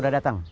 ya ini lagi